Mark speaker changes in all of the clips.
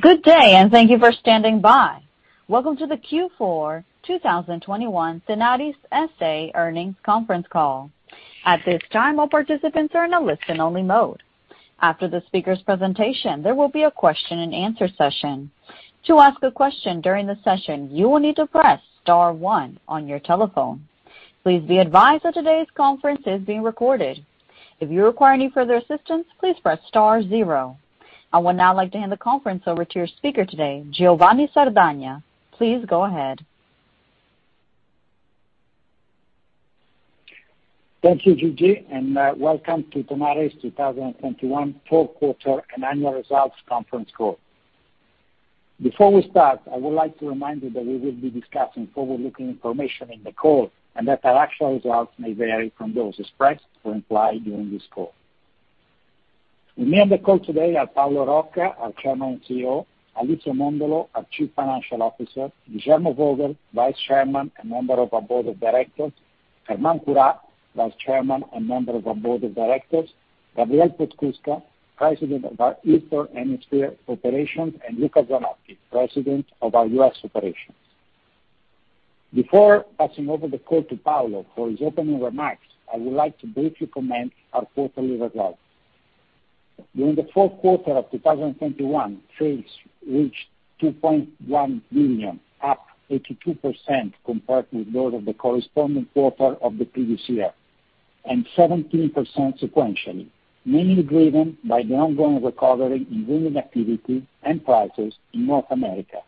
Speaker 1: Good day, and thank you for standing by. Welcome to the Q4 2021 Tenaris S.A. earnings conference call. At this time, all participants are in a listen only mode. After the speaker's presentation, there will be a question-and-answer session. To ask a question during the session, you will need to press star one on your telephone. Please be advised that today's conference is being recorded. If you require any further assistance, please press star zero. I would now like to hand the conference over to your speaker today, Giovanni Sardagna. Please go ahead.
Speaker 2: Thank you, Gigi, and welcome to Tenaris 2021 fourth quarter and annual results conference call. Before we start, I would like to remind you that we will be discussing forward-looking information in the call and that our actual results may vary from those expressed or implied during this call. With me on the call today are Paolo Rocca, our Chairman and CEO, Alicia Mondolo, our Chief Financial Officer, Guillermo Vogel, Vice Chairman and Member of our Board of Directors, Germán Curá, Vice Chairman and Member of our Board of Directors, Gabriel Podskubka, President of our Eastern Hemisphere Operations, and Luca Zanotti, President of our U.S. Operations. Before passing over the call to Paolo for his opening remarks, I would like to briefly comment our quarterly results. During the fourth quarter of 2021, sales reached $2.1 billion, up 82% compared with those of the corresponding quarter of the previous year, and 17% sequentially, mainly driven by the ongoing recovery in volume activity and prices in North America,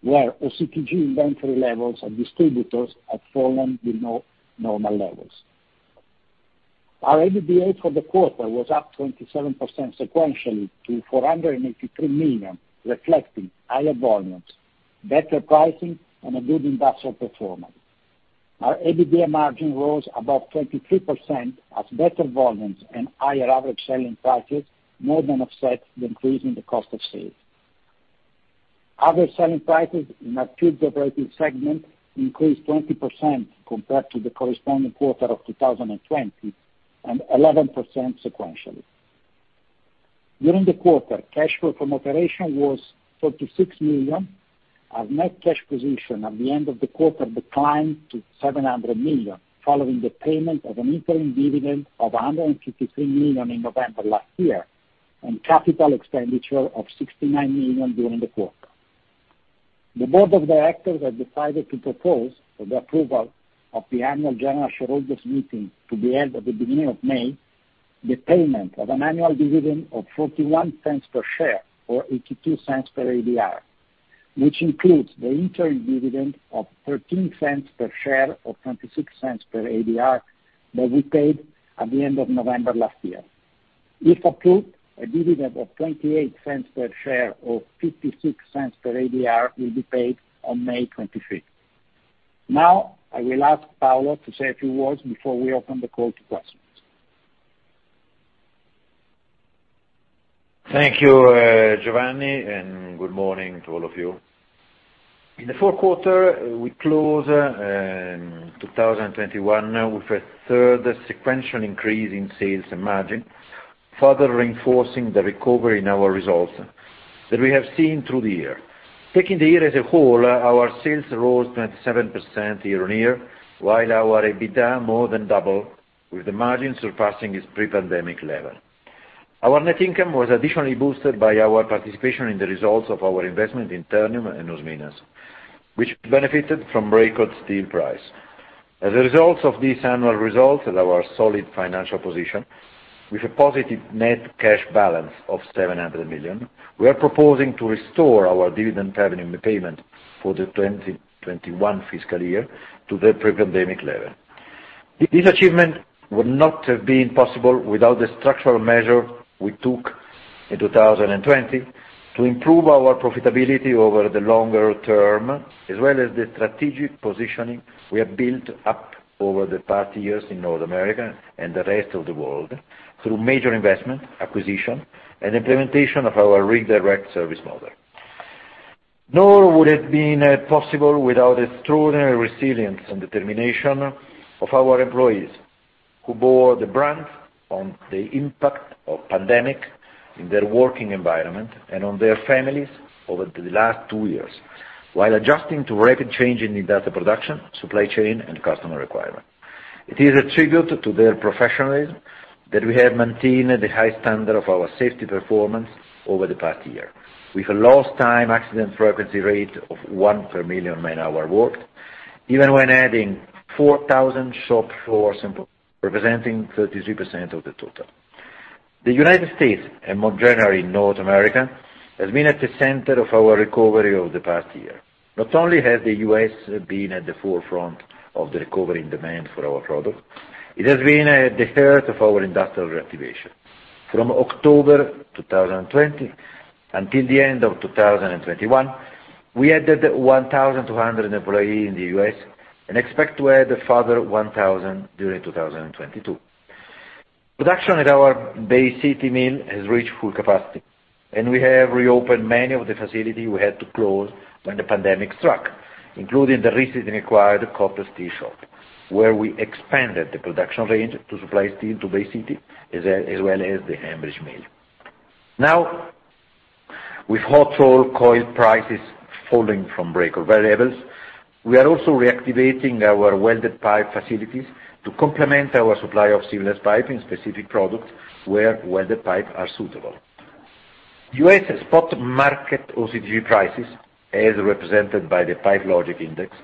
Speaker 2: where OCTG inventory levels of distributors have fallen below normal levels. Our EBITDA for the quarter was up 27% sequentially to $483 million, reflecting higher volumes, better pricing, and a good industrial performance. Our EBITDA margin rose above 23% as better volumes and higher average selling prices more than offset the increase in the cost of sales. Average selling prices in our tubes operating segment increased 20% compared to the corresponding quarter of 2020 and 11% sequentially. During the quarter, cash flow from operation was $46 million. Our net cash position at the end of the quarter declined to $700 million, following the payment of an interim dividend of $153 million in November last year and capital expenditure of $69 million during the quarter. The Board of Directors have decided to propose for the approval of the Annual General Shareholders Meeting to be held at the beginning of May, the payment of an annual dividend of $0.41 per share or $0.82 per ADR, which includes the interim dividend of $0.13 per share or $0.26 per ADR that we paid at the end of November last year. If approved, a dividend of $0.28 per share or $0.56 per ADR will be paid on May 25. Now I will ask Paolo to say a few words before we open the call to questions.
Speaker 3: Thank you, Giovanni, and good morning to all of you. In the fourth quarter, we closed 2021 with a third sequential increase in sales and margin, further reinforcing the recovery in our results that we have seen through the year. Taking the year as a whole, our sales rose 27% year-on-year, while our EBITDA more than doubled, with the margin surpassing its pre-pandemic level. Our net income was additionally boosted by our participation in the results of our investment in Ternium and Usiminas, which benefited from record steel price. As a result of these annual results and our solid financial position, with a positive net cash balance of $700 million, we are proposing to restore our dividend payment for the 2021 fiscal year to the pre-pandemic level. This achievement would not have been possible without the structural measure we took in 2020 to improve our profitability over the longer term, as well as the strategic positioning we have built up over the past years in North America and the rest of the world through major investment, acquisition, and implementation of our Rig Direct service model. Nor would it have been possible without extraordinary resilience and determination of our employees who bore the brunt of the impact of pandemic in their working environment and on their families over the last two years while adjusting to rapid change in industrial production, supply chain, and customer requirements. It is a tribute to their professionalism that we have maintained the high standard of our safety performance over the past year with a lost time accident frequency rate of one per million man-hour worked, even when adding 4,000 shop floor employees, representing 33% of the total. The United States, and more generally North America, has been at the center of our recovery over the past year. Not only has the U.S. been at the forefront of the recovery in demand for our product, it has been the heart of our industrial reactivation. From October 2020 until the end of 2021, we added 1,200 employees in the U.S. and expect to add a further 1,000 during 2022. Production at our Bay City mill has reached full capacity, and we have reopened many of the facilities we had to close when the pandemic struck, including the recently acquired Koppel Steel shop, where we expanded the production range to supply steel to Bay City, as well as the Ambridge Mill. Now, with hot rolled coil prices falling from break-even levels, we are also reactivating our welded pipe facilities to complement our supply of seamless pipe in specific products where welded pipe are suitable. U.S. spot market OCTG prices, as represented by the Pipe Logix Index,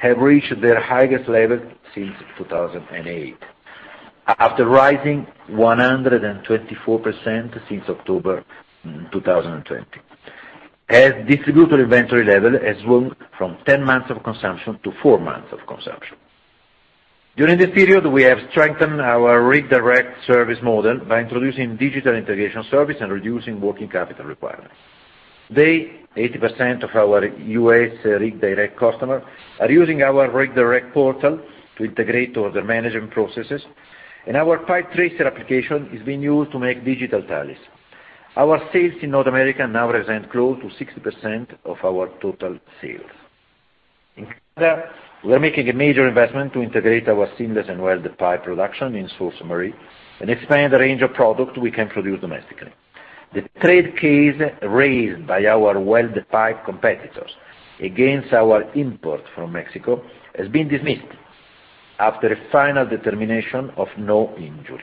Speaker 3: have reached their highest level since 2008, after rising 124% since October 2020, as distributor inventory level has moved from 10 months of consumption to four months of consumption. During this period, we have strengthened our Rig Direct service model by introducing digital integration service and reducing working capital requirements. Today, 80% of our U.S. Rig Direct customers are using our Rig Direct Portal to integrate all the management processes, and our PipeTracer application is being used to make digital tallies. Our sales in North America now represent close to 60% of our total sales. In Canada, we're making a major investment to integrate our seamless and welded pipe production in Sault Ste. Marie, and expand the range of product we can produce domestically. The trade case raised by our welded pipe competitors against our import from Mexico has been dismissed after a final determination of no injury.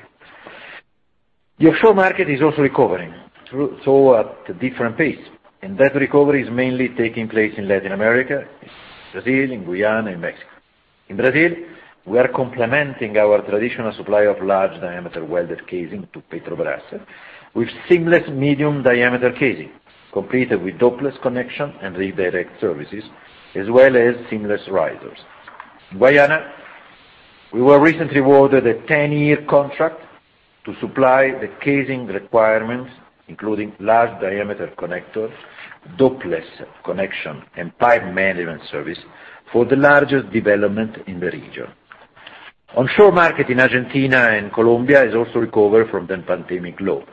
Speaker 3: The offshore market is also recovering, though at a different pace, and that recovery is mainly taking place in Latin America, in Brazil, in Guyana, and Mexico. In Brazil, we are complementing our traditional supply of large diameter welded casing to Petrobras with seamless medium diameter casing, completed with Dopeless connection and Rig Direct services, as well as seamless risers. In Guyana, we were recently awarded a 10-year contract to supply the casing requirements, including large diameter connectors, Dopeless connection, and pipe management service for the largest development in the region. Onshore market in Argentina and Colombia has also recovered from the pandemic low.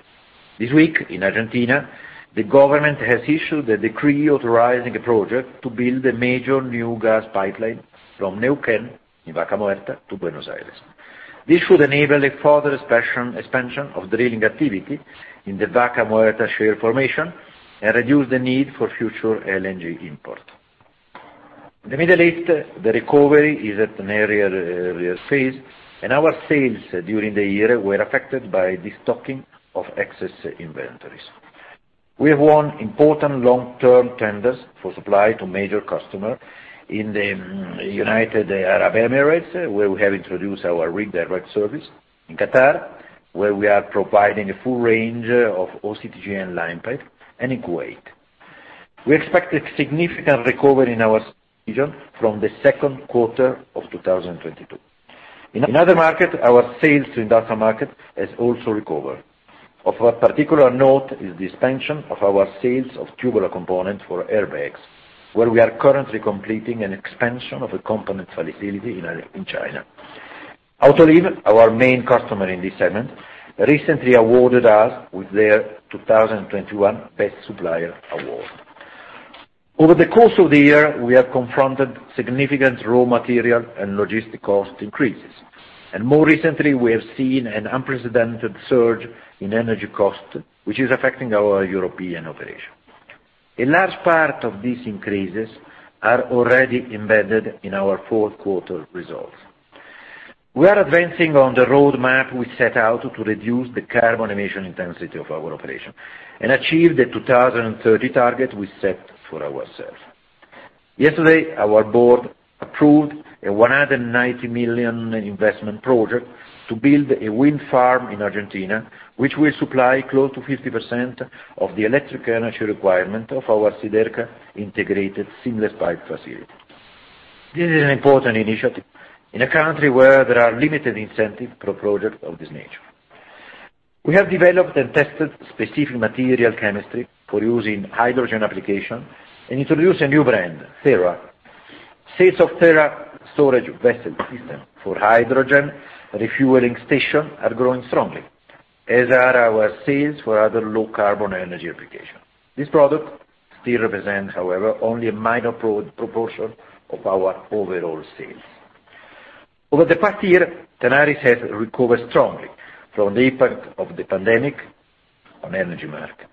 Speaker 3: This week, in Argentina, the government has issued a decree authorizing a project to build a major new gas pipeline from Neuquén in Vaca Muerta to Buenos Aires. This should enable a further expansion of drilling activity in the Vaca Muerta shale formation and reduce the need for future LNG import. In the Middle East, the recovery is at an earlier phase, and our sales during the year were affected by destocking of excess inventories. We have won important long-term tenders for supply to major customer in the United Arab Emirates, where we have introduced our Rig Direct service, in Qatar, where we are providing a full range of OCTG and line pipe, and in Kuwait. We expect a significant recovery in our region from the second quarter of 2022. In other markets, our sales to industrial market has also recovered. Of particular note is the expansion of our sales of tubular components for airbags, where we are currently completing an expansion of a component facility in China. Autoliv, our main customer in this segment, recently awarded us with their 2021 Best Supplier Award. Over the course of the year, we have confronted significant raw material and logistic cost increases. More recently, we have seen an unprecedented surge in energy costs, which is affecting our European operation. A large part of these increases are already embedded in our fourth quarter results. We are advancing on the roadmap we set out to reduce the carbon emission intensity of our operation, and achieve the 2030 target we set for ourselves. Yesterday, our Board approved a $190 million investment project to build a wind farm in Argentina, which will supply close to 50% of the electric energy requirement of our Siderca integrated seamless pipe facility. This is an important initiative in a country where there are limited incentives for projects of this nature. We have developed and tested specific material chemistry for use in hydrogen application and introduced a new brand, THera. Sales of THera storage vessel system for hydrogen refueling station are growing strongly, as are our sales for other low carbon energy applications. This product still represents, however, only a minor proportion of our overall sales. Over the past year, Tenaris has recovered strongly from the impact of the pandemic on energy market,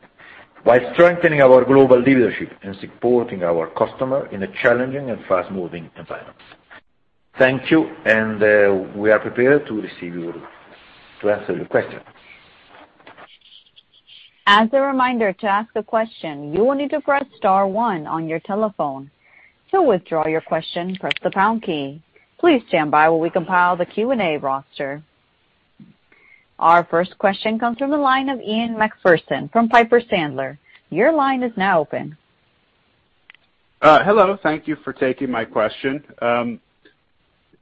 Speaker 3: while strengthening our global leadership and supporting our customer in a challenging and fast-moving environment. Thank you, and we are prepared to answer your questions.
Speaker 1: As a reminder, to ask a question, you will need to press star one on your telephone. To withdraw your question, press the pound key. Please stand by while we compile the Q&A roster. Our first question comes from the line of Ian Macpherson from Piper Sandler. Your line is now open.
Speaker 4: Hello. Thank you for taking my question.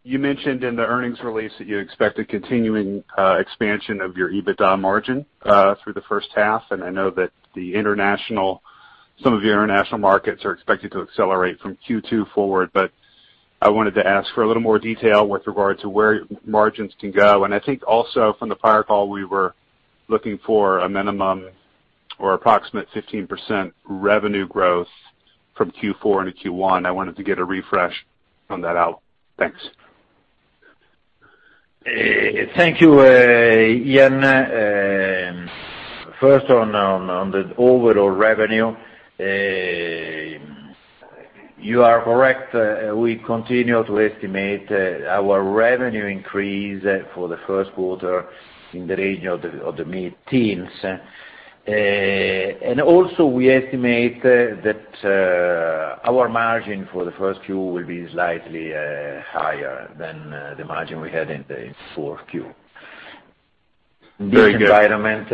Speaker 4: You mentioned in the earnings release that you expect a continuing expansion of your EBITDA margin through the first half, and I know that the international, some of your international markets are expected to accelerate from Q2 forward. I wanted to ask for a little more detail with regard to where margins can go. I think also from the prior call, we were looking for a minimum or approximate 15% revenue growth from Q4 into Q1. I wanted to get a refresh on that outlook. Thanks.
Speaker 3: Thank you, Ian. First on the overall revenue. You are correct. We continue to estimate our revenue increase for the first quarter in the range of the mid-teens. Also we estimate that our margin for the first Q will be slightly higher than the margin we had in the fourth Q.
Speaker 4: Very good.
Speaker 3: This environment,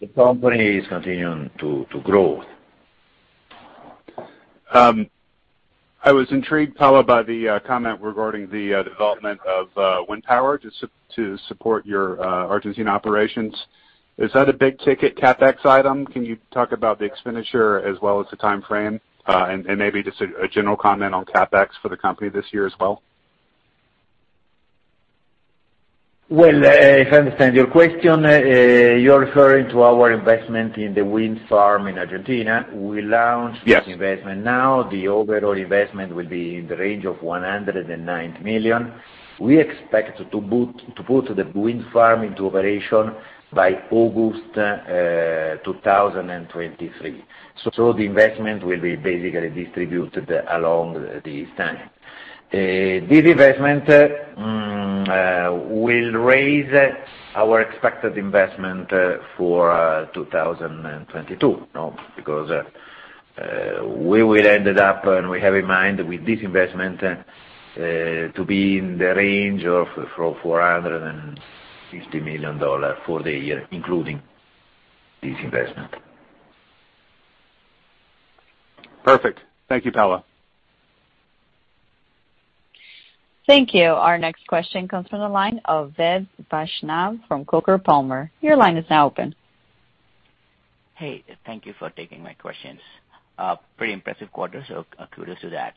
Speaker 3: the company is continuing to grow.
Speaker 4: I was intrigued, Paolo, by the comment regarding the development of wind power to support your Argentine operations. Is that a big-ticket CapEx item? Can you talk about the expenditure as well as the timeframe? Maybe just a general comment on CapEx for the company this year as well.
Speaker 3: Well, if I understand your question, you're referring to our investment in the wind farm in Argentina. We launched-
Speaker 4: Yes.
Speaker 3: The investment now. The overall investment will be in the range of $109 million. We expect to put the wind farm into operation by August 2023. The investment will be basically distributed along this time. This investment will raise our expected investment for 2022, you know, because we will end it up, and we have in mind with this investment to be in the range of $450 million for the year, including this investment.
Speaker 4: Perfect. Thank you, Paolo.
Speaker 1: Thank you. Our next question comes from the line of Vaibhav Vaishnav from Coker Palmer. Your line is now open.
Speaker 5: Hey, thank you for taking my questions. Pretty impressive quarter, so kudos to that.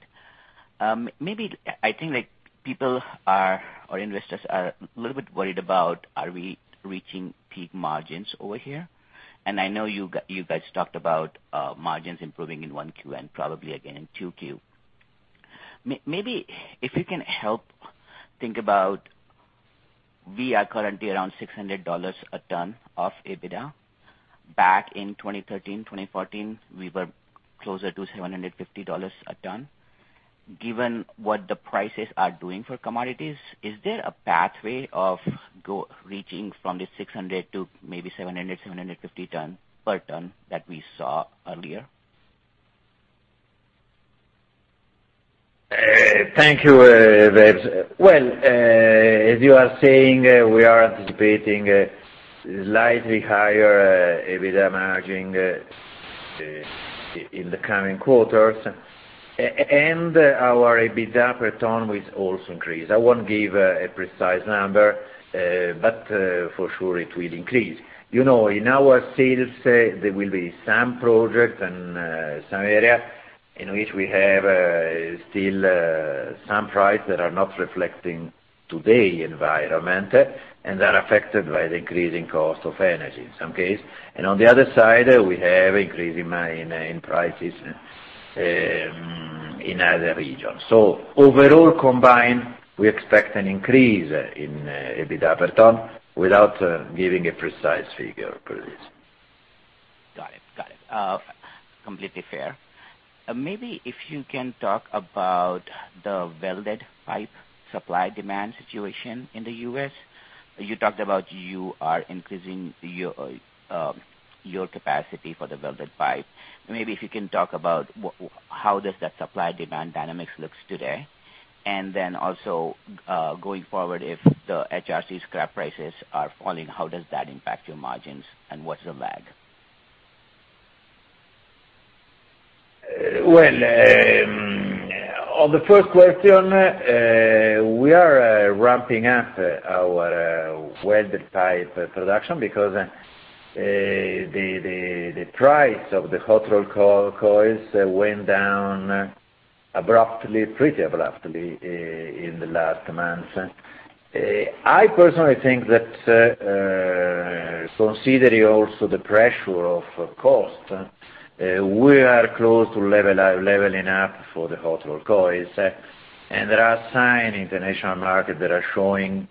Speaker 5: Maybe I think like people are, or investors are a little bit worried about are we reaching peak margins over here. I know you guys talked about margins improving in 1Q and probably again in 2Q. Maybe if you can help think about we are currently around $600 a ton of EBITDA. Back in 2013, 2014, we were closer to $750 a ton. Given what the prices are doing for commodities, is there a pathway of reaching from the $600 to maybe $700, $750 per ton that we saw earlier?
Speaker 3: Thank you, Vaibhav. Well, as you are saying, we are anticipating a slightly higher EBITDA margin in the coming quarters. Our EBITDA per ton will also increase. I won't give a precise number, but for sure it will increase. You know, in our sales there will be some projects and some areas in which we have still some prices that are not reflecting today's environment, and they're affected by the increasing cost of energy in some cases. On the other side, we have increasing main prices in other regions. Overall combined, we expect an increase in EBITDA per ton without giving a precise figure for this.
Speaker 5: Got it. Completely fair. Maybe if you can talk about the welded pipe supply demand situation in the U.S. You talked about you are increasing your capacity for the welded pipe. Maybe if you can talk about how does that supply demand dynamics looks today. Then also, going forward, if the HRC scrap prices are falling, how does that impact your margins and what's the lag?
Speaker 3: Well, on the first question, we are ramping up our welded pipe production because the price of the hot-rolled coils went down abruptly, pretty abruptly in the last months. I personally think that, considering also the pressure of cost, we are close to leveling up for the hot-rolled coils. There are signs in the national market that are showing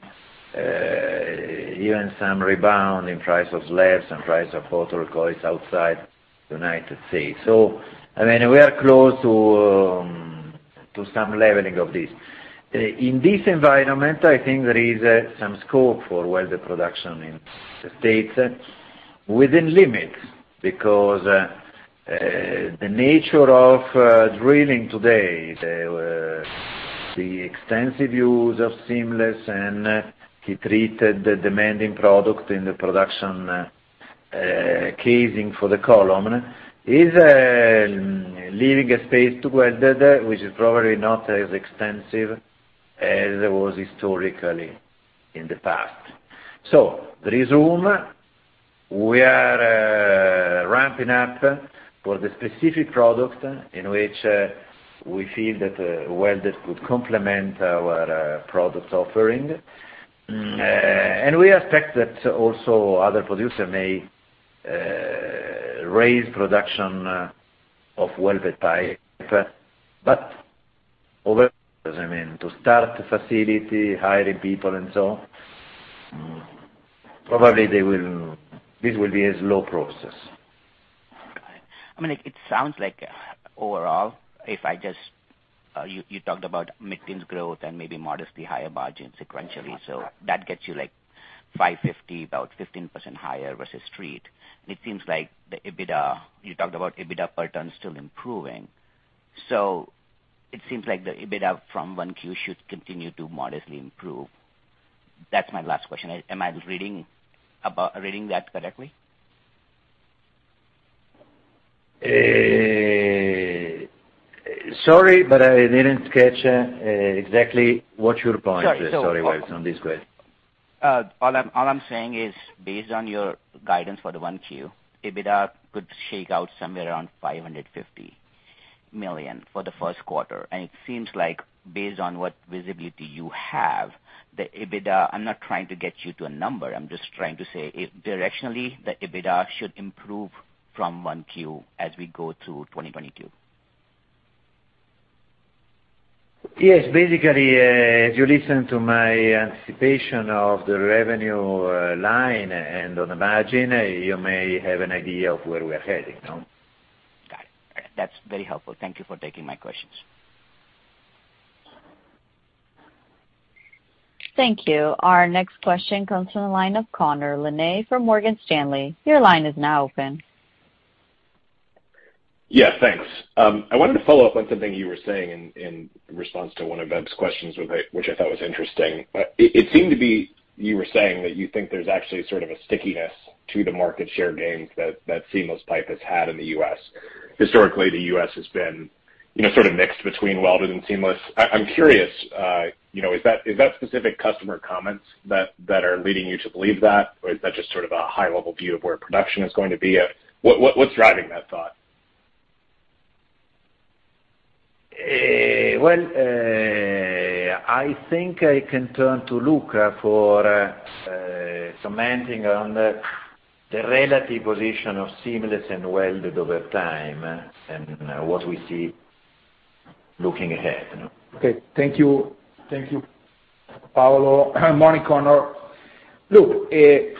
Speaker 3: even some rebound in price of slabs and price of hot-rolled coils outside the United States. I mean, we are close to some leveling of this. In this environment, I think there is some scope for welded production in the States within limits, because the nature of drilling today, the extensive use of seamless and heat-treated demanding product in the production casing for the column is leaving a space for welded, which is probably not as extensive as it was historically in the past. There is room. We are ramping up for the specific product in which we feel that welded could complement our product offering. We expect that also other producer may raise production of welded pipe. Overall, I mean, to start the facility, hiring people and so, probably they will. This will be a slow process.
Speaker 5: Got it. I mean, it sounds like overall, you talked about mid-teens growth and maybe modestly higher margin sequentially. That gets you like $550, about 15% higher versus street. It seems like the EBITDA you talked about, EBITDA per ton still improving. It seems like the EBITDA from 1Q should continue to modestly improve. That's my last question. Am I reading that correctly?
Speaker 3: Sorry, but I didn't catch exactly what your point is.
Speaker 5: Sorry.
Speaker 3: Sorry, wait, on this question.
Speaker 5: All I'm saying is, based on your guidance for the 1Q, EBITDA could shake out somewhere around $550 million for the first quarter. It seems like based on what visibility you have, the EBITDA, I'm not trying to get you to a number, I'm just trying to say directionally, the EBITDA should improve from 1Q as we go through 2022.
Speaker 3: Yes. Basically, if you listen to my anticipation of the revenue line and on the margin, you may have an idea of where we are heading. No?
Speaker 5: Got it. That's very helpful. Thank you for taking my questions.
Speaker 1: Thank you. Our next question comes from the line of Connor Lynagh from Morgan Stanley. Your line is now open.
Speaker 6: Yeah, thanks. I wanted to follow up on something you were saying in response to one of Vaibhav's questions, which I thought was interesting. It seemed to be you were saying that you think there's actually sort of a stickiness to the market share gains that seamless pipe has had in the U.S. Historically, the U.S. has been, you know, sort of mixed between welded and seamless. I'm curious, you know, is that specific customer comments that are leading you to believe that? Or is that just sort of a high level view of where production is going to be at? What's driving that thought?
Speaker 3: I think I can turn to Luca for commenting on the relative position of seamless and welded over time and what we see looking ahead, you know.
Speaker 7: Okay. Thank you. Thank you, Paolo. Morning, Connor. Look, here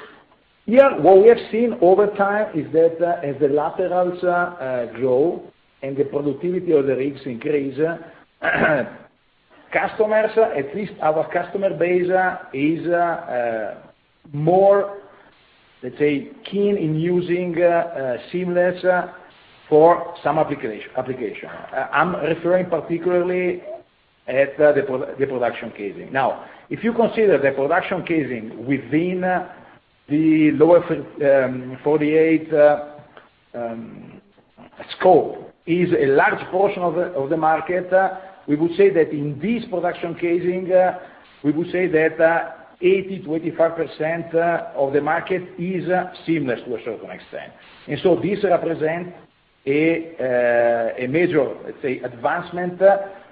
Speaker 7: what we have seen over time is that as the laterals grow and the productivity of the rigs increase, customers, at least our customer base, is more, let's say, keen in using seamless for some application. I'm referring particularly to the production casing. Now, if you consider the production casing within the lower 48 scope is a large portion of the market, we would say that in this production casing, 80%-85% of the market is seamless to a certain extent. This represent a major, let's say, advancement,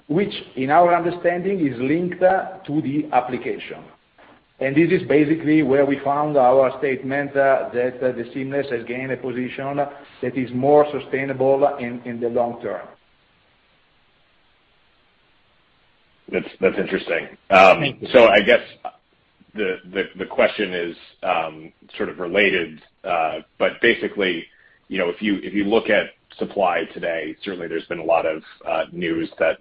Speaker 7: which in our understanding is linked to the application. This is basically where we found our statement that the seamless has gained a position that is more sustainable in the long term.
Speaker 6: That's interesting.
Speaker 7: Thank you.
Speaker 6: I guess the question is sort of related. Basically, you know, if you look at supply today, certainly there's been a lot of news that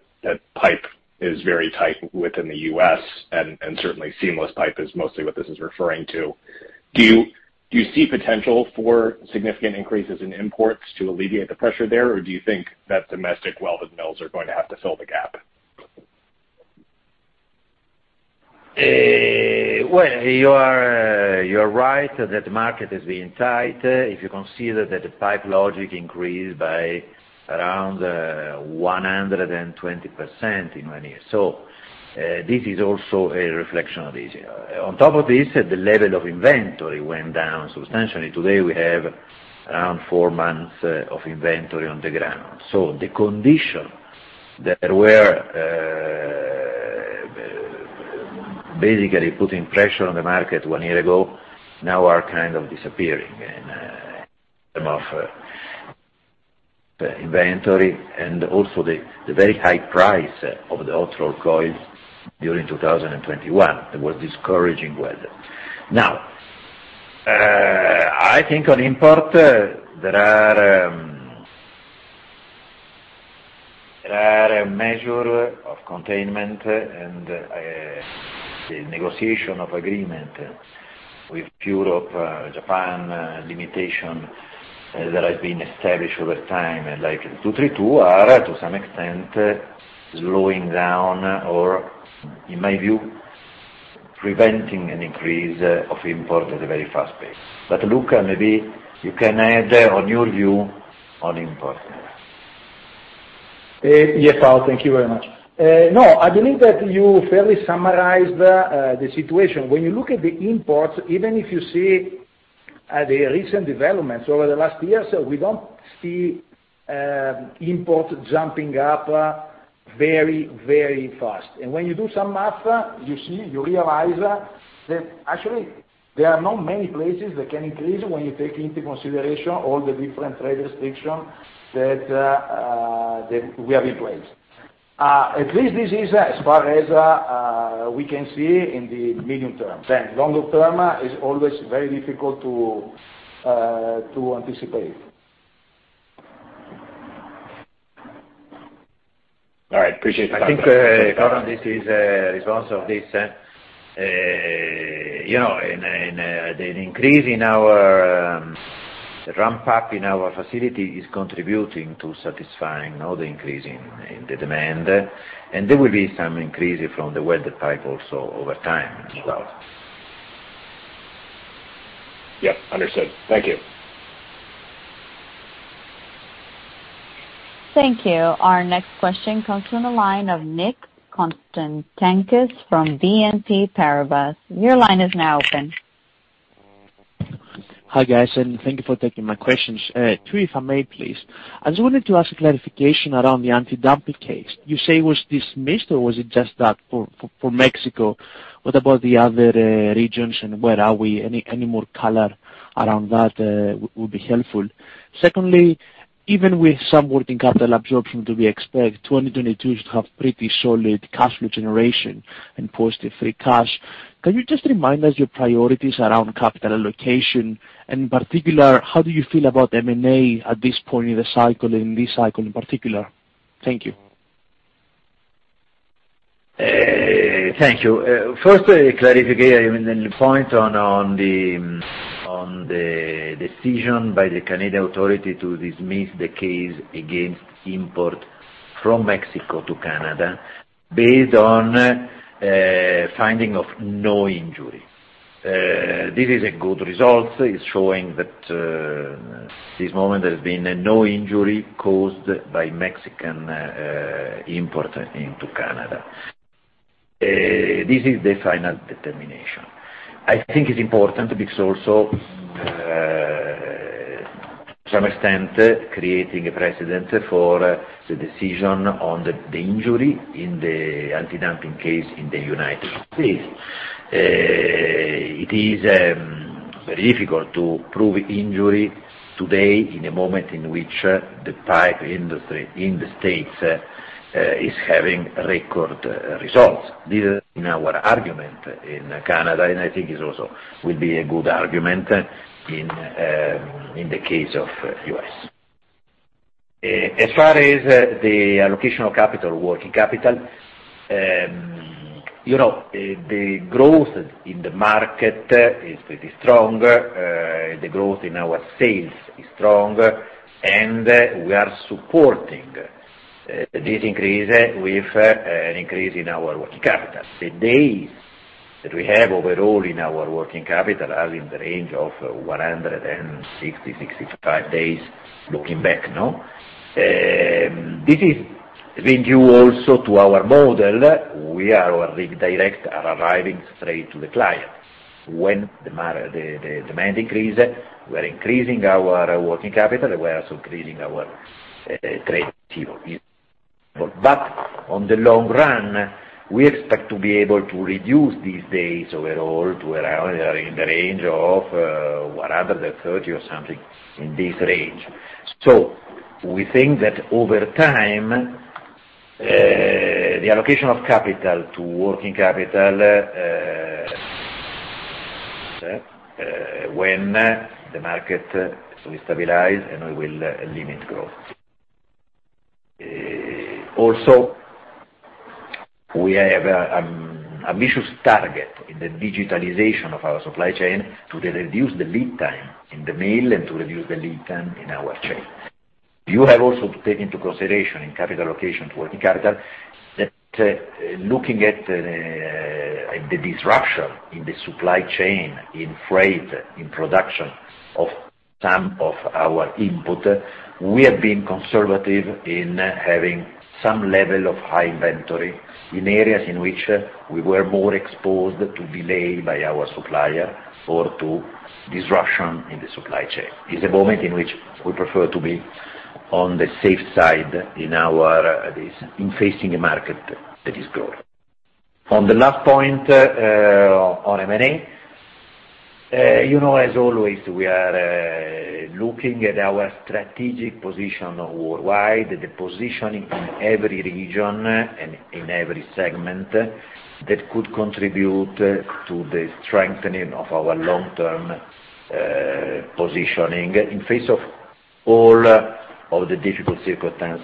Speaker 6: pipe is very tight within the U.S., and certainly seamless pipe is mostly what this is referring to. Do you see potential for significant increases in imports to alleviate the pressure there? Or do you think that domestic welded mills are going to have to fill the gap?
Speaker 3: Well, you are right that the market is being tight. If you consider that the Pipe Logix increased by around 120% in one year. This is also a reflection of this. On top of this, the level of inventory went down substantially. Today, we have around four months of inventory on the ground. The conditions that were basically putting pressure on the market one year ago now are kind of disappearing in terms of inventory and also the very high price of the hot rolled coils during 2021. It was discouraging whether. Now, I think on import, there are a measure of containment and the negotiation of agreement with Europe, Japan, limitation that has been established over time, like Section 232 are to some extent slowing down or in my view, preventing an increase of import at a very fast pace. Luca, maybe you can add on your view on import.
Speaker 7: Yes, Paolo. Thank you very much. No, I believe that you fairly summarized the situation. When you look at the imports, even if you see at the recent developments over the last year, we don't see import jumping up very, very fast. When you do some math, you see, you realize that actually there are not many places that can increase when you take into consideration all the different trade restrictions that we have in place. At least this is as far as we can see in the medium term. Longer term is always very difficult to anticipate.
Speaker 6: All right. Appreciate the time.
Speaker 3: I think, Connor, this is a response to this, the ramp up in our facility is contributing to satisfying all the increase in the demand. There will be some increase from the weather type also over time as well.
Speaker 6: Yes. Understood. Thank you.
Speaker 1: Thank you. Our next question comes from the line of Nick Konstantakis from BNP Paribas. Your line is now open.
Speaker 8: Hi, guys, and thank you for taking my questions. Two, if I may, please. I just wanted to ask a clarification around the antidumping case. You say it was dismissed, or was it just that for Mexico? What about the other regions and where are we? Any more color around that would be helpful. Secondly, even with some working capital absorption, do we expect 2022 to have pretty solid cash flow generation and positive free cash? Can you just remind us your priorities around capital allocation? In particular, how do you feel about M&A at this point in the cycle, in this cycle in particular? Thank you.
Speaker 3: Thank you. First, a clarification on the point on the decision by the Canadian authority to dismiss the case against import from Mexico to Canada based on finding of no injury. This is a good result. It's showing that at this moment there's been no injury caused by Mexican import into Canada. This is the final determination. I think it's important because also to some extent creating a precedent for the decision on the injury in the antidumping case in the United States. It is very difficult to prove injury today at a moment in which the pipe industry in the States is having record results. This is in our argument in Canada, and I think it also will be a good argument in the case of U.S. As far as the allocation of capital, working capital, you know, the growth in the market is pretty strong. The growth in our sales is strong, and we are supporting this increase with an increase in our working capital. The days that we have overall in our working capital are in the range of 160-165 days looking back. This is due also to our model. We are directly arriving straight to the clients. When the demand increases, we're increasing our working capital, we are also increasing our trade team. In the long run, we expect to be able to reduce these days overall to around in the range of 130 or something in this range. We think that over time, the allocation of capital to working capital, when the market will stabilize, and we will limit growth. Also, we have ambitious target in the digitalization of our supply chain to reduce the lead time in the mill and to reduce the lead time in our chain. You have also to take into consideration in capital allocation to working capital that, looking at the disruption in the supply chain, in freight, in production of some of our inputs, we have been conservative in having some level of high inventory in areas in which we were more exposed to delay by our supplier or to disruption in the supply chain. It's a moment in which we prefer to be on the safe side in facing a market that is growing. On the last point, on M&A, you know, as always, we are looking at our strategic position worldwide, the positioning in every region and in every segment that could contribute to the strengthening of our long-term positioning in face of all of the difficult circumstance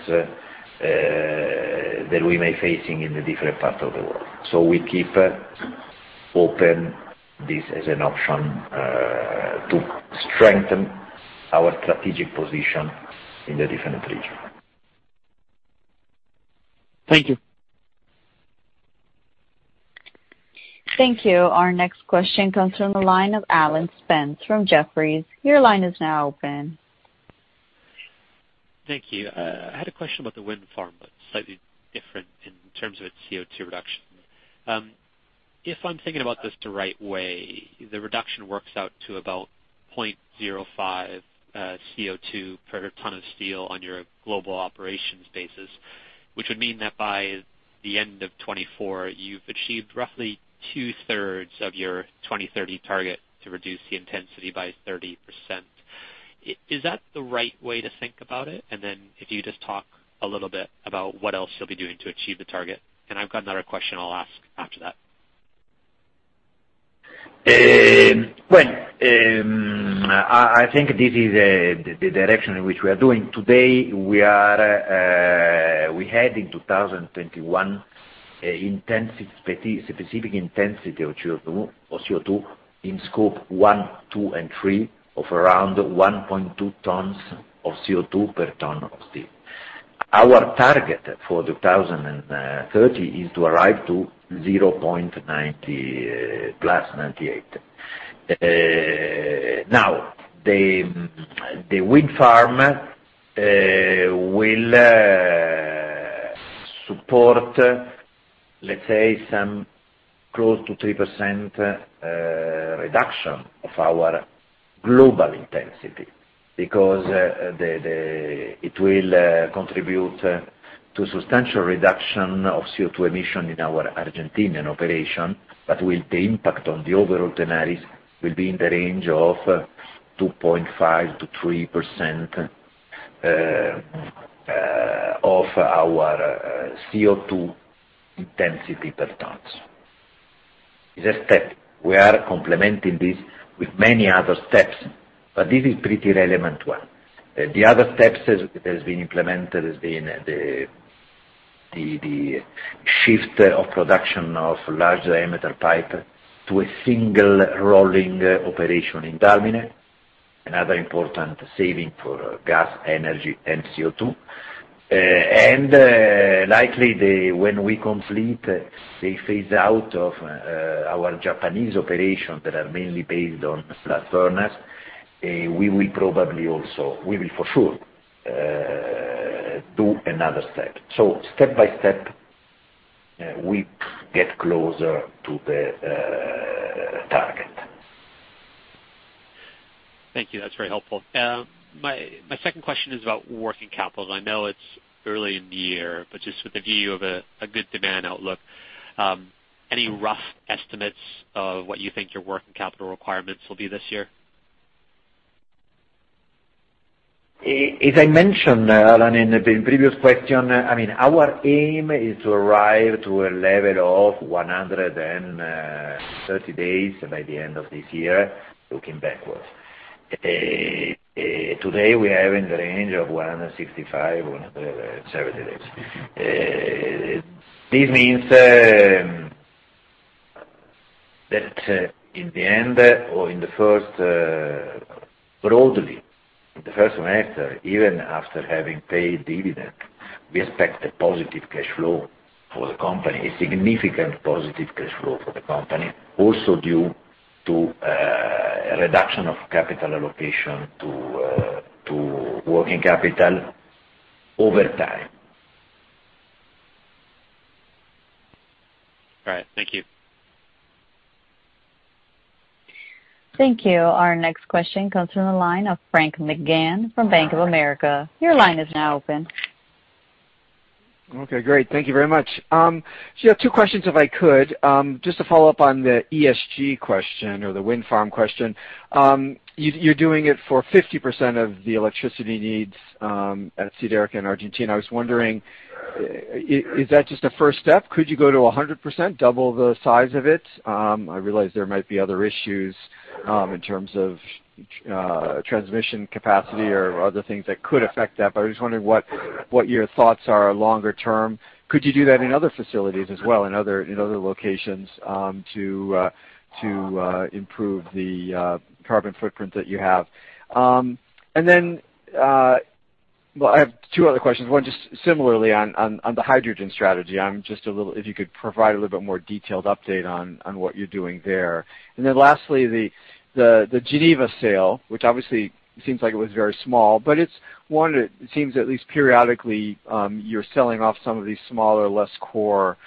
Speaker 3: that we may facing in the different parts of the world. We keep open this as an option to strengthen our strategic position in the different region.
Speaker 8: Thank you.
Speaker 1: Thank you. Our next question comes from the line of Alan Spence from Jefferies. Your line is now open.
Speaker 9: Thank you. I had a question about the wind farm, but slightly different in terms of its CO2 reduction. If I'm thinking about this the right way, the reduction works out to about 0.05 CO2 per ton of steel on your global operations basis, which would mean that by the end of 2024, you've achieved roughly two-thirds of your 2030 target to reduce the intensity by 30%. Is that the right way to think about it? If you just talk a little bit about what else you'll be doing to achieve the target, and I've got another question I'll ask after that.
Speaker 3: I think this is the direction in which we are doing. Today, we had in 2021 specific intensity of CO2 in Scope 1, 2, and 3 of around 1.2 tons of CO2 per ton of steel. Our target for 2030 is to arrive to 0.90 + 98. Now, the wind farm will support, let's say, close to 3% reduction of our global intensity because it will contribute to substantial reduction of CO2 emissions in our Argentine operation. The impact on the overall tonnages will be in the range of 2.5%-3% of our CO2 intensity per ton. It is a step. We are complementing this with many other steps, but this is a pretty relevant one. The other steps have been implemented, the shift of production of large diameter pipe to a single rolling operation in Dalmine, another important saving for gas, energy, and CO2. When we complete the phase out of our Japanese operations that are mainly based on blast furnace, we will for sure do another step. Step by step, we get closer to the target.
Speaker 9: Thank you. That's very helpful. My second question is about working capital. I know it's early in the year, but just with the view of a good demand outlook, any rough estimates of what you think your working capital requirements will be this year?
Speaker 3: As I mentioned, Alan, in the previous question, I mean, our aim is to arrive to a level of 130 days by the end of this year, looking backwards. Today, we are in the range of 165-170 days. This means that in the end or in the first, broadly, in the first semester, even after having paid dividend, we expect a positive cash flow for the company, a significant positive cash flow for the company, also due to a reduction of capital allocation to working capital over time.
Speaker 9: All right. Thank you.
Speaker 1: Thank you. Our next question comes from the line of Frank McGann from Bank of America. Your line is now open.
Speaker 10: Okay. Great. Thank you very much. So yeah, two questions, if I could. Just to follow up on the ESG question or the wind farm question. You're doing it for 50% of the electricity needs at Siderca in Argentina. I was wondering, is that just a first step? Could you go to 100%, double the size of it? I realize there might be other issues in terms of transmission capacity or other things that could affect that, but I was just wondering what your thoughts are longer term. Could you do that in other facilities as well, in other locations to improve the carbon footprint that you have? Well, I have two other questions. One, just similarly on the hydrogen strategy. If you could provide a little bit more detailed update on what you're doing there. Then lastly, the Geneva sale, which obviously seems like it was very small, but it's one that it seems at least periodically you're selling off some of these smaller, less core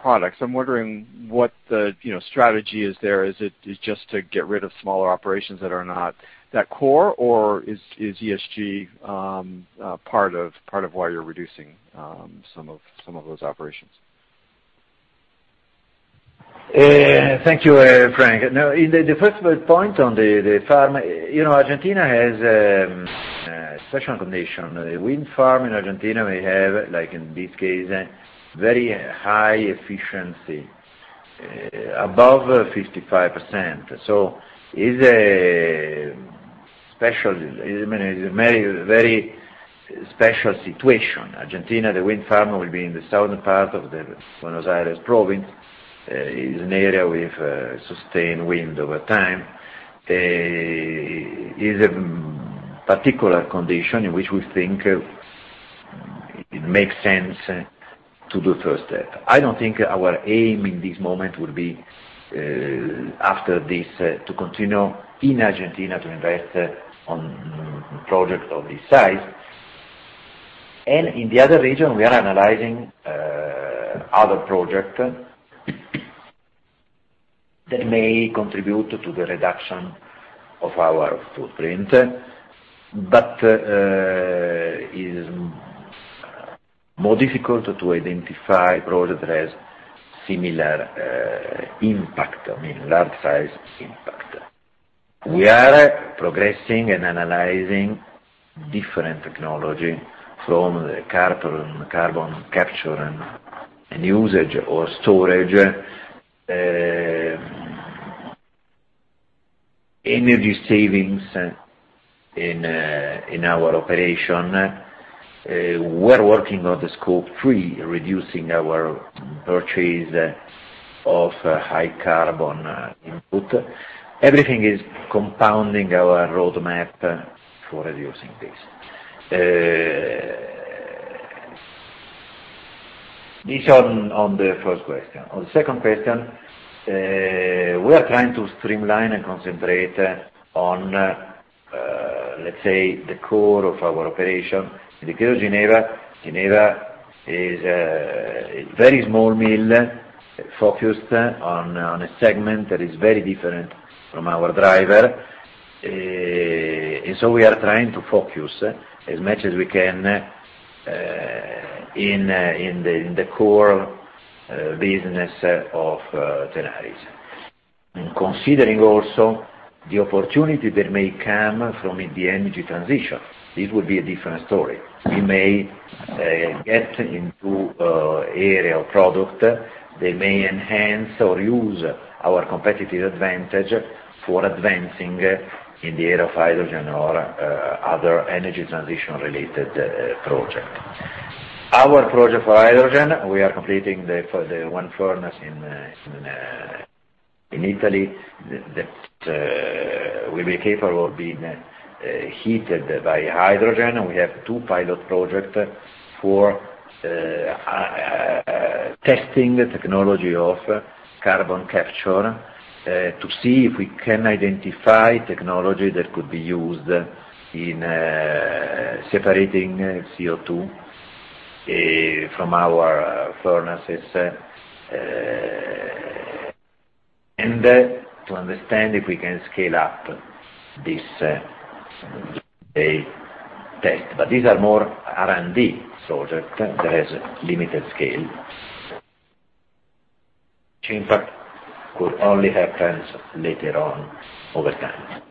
Speaker 10: products. I'm wondering what the you know strategy is there. Is it just to get rid of smaller operations that are not that core? Or is ESG part of why you're reducing some of those operations?
Speaker 3: Thank you, Frank. Now, in the first point on the farm, you know, Argentina has special condition. A wind farm in Argentina may have, like in this case, very high efficiency, above 55%. So it's a special, it's a very, very special situation. Argentina, the wind farm will be in the southern part of the Buenos Aires province. It's an area with sustained wind over time. Is a particular condition in which we think it makes sense to do first step. I don't think our aim in this moment will be, after this, to continue in Argentina to invest on project of this size. In the other region, we are analyzing other project that may contribute to the reduction of our footprint. It is more difficult to identify projects that have similar impact, I mean, large size impact. We are progressing and analyzing different technology from the carbon capture and usage or storage, energy savings in our operation. We're working on the Scope 3, reducing our purchase of high carbon input. Everything is compounding our roadmap for reducing this. This on the first question. On the second question, we are trying to streamline and concentrate on, let's say, the core of our operation. In the case of Geneva is a very small mill focused on a segment that is very different from our driver. We are trying to focus as much as we can in the core business of Tenaris. Considering also the opportunity that may come from the energy transition, this would be a different story. We may get into area of product. They may enhance or use our competitive advantage for advancing in the area of hydrogen or other energy transition related project. Our project for hydrogen, we are completing the for the one furnace in Italy that will be capable of being heated by hydrogen. We have two pilot project for testing the technology of carbon capture to see if we can identify technology that could be used in separating CO2 from our furnaces and to understand if we can scale up this test. But these are more R&D project that has limited scale. Change, in fact, could only happens later on over time.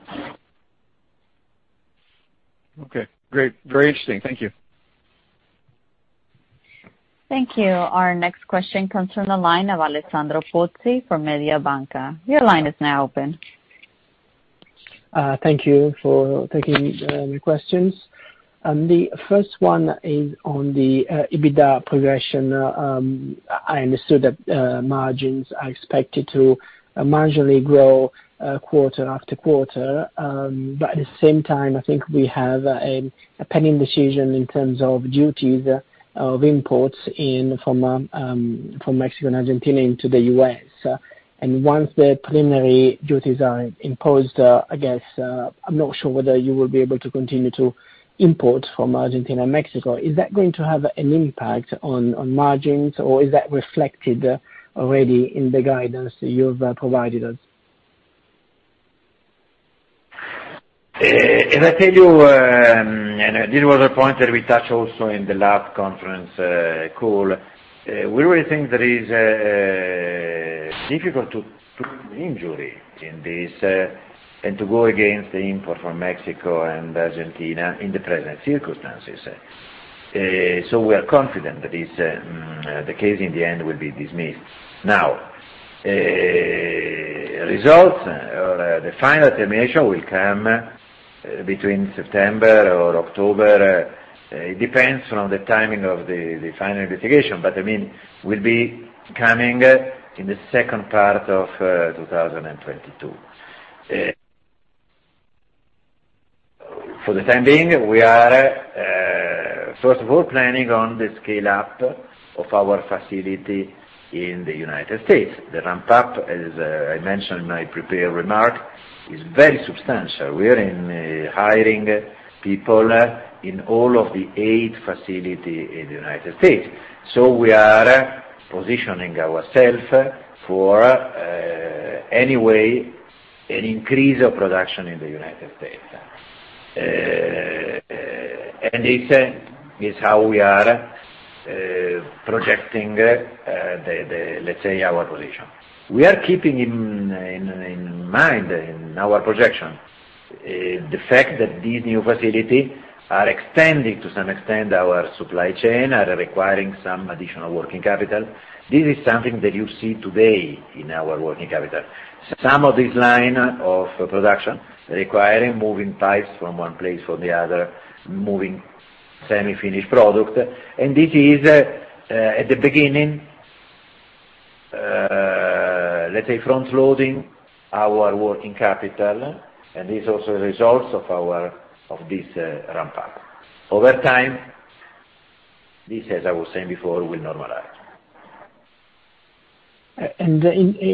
Speaker 10: Okay. Great. Very interesting. Thank you.
Speaker 1: Thank you. Our next question comes from the line of Alessandro Pozzi from Mediobanca. Your line is now open.
Speaker 11: Thank you for taking my questions. The first one is on the EBITDA progression. I understood that margins are expected to marginally grow quarter after quarter, but at the same time, I think we have a pending decision in terms of duties on imports from Mexico and Argentina into the U.S. Once the preliminary duties are imposed, I guess, I'm not sure whether you will be able to continue to import from Argentina and Mexico. Is that going to have an impact on margins, or is that reflected already in the guidance you've provided us?
Speaker 3: As I tell you, this was a point that we touched also in the last conference call, we really think that it is difficult to put an injunction in this and to go against the imports from Mexico and Argentina in the present circumstances. We are confident that the case in the end will be dismissed. Now, results or the final determination will come between September and October. It depends on the timing of the final investigation, but I mean, it will be coming in the second part of 2022. For the time being, we are first of all planning on the scale-up of our facility in the United States. The ramp-up, as I mentioned in my prepared remark, is very substantial. We are hiring people in all of the eight facilities in the United States. We are positioning ourself for any way an increase of production in the United States. This is how we are projecting the, let's say, our position. We are keeping in mind in our projection the fact that these new facilities are extending to some extent our supply chain, are requiring some additional working capital. This is something that you see today in our working capital. Some of these line of production requiring moving pipes from one place from the other, moving semi-finished product. This is at the beginning, let's say frontloading our working capital, and this is also the results of this ramp up. Over time, this, as I was saying before, will normalize.